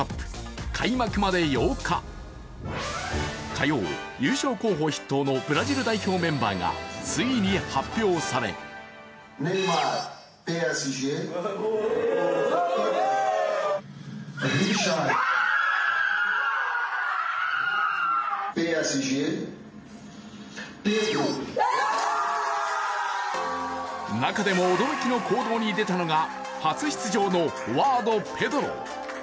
火曜、優勝候補筆頭のブラジルメンバーがついに発表され中でも驚きの行動に出たのが初出場のフォワード・ペドロ。